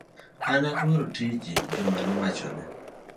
An aluoro tiji, Juma nowachone.